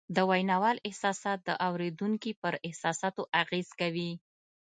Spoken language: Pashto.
د ویناوال احساسات د اورېدونکي پر احساساتو اغېز کوي